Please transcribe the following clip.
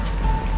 seng tas kamu nih